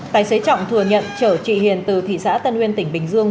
tài xế trọng thừa nhận chở chị hiền từ thị xã tân uyên tỉnh bình dương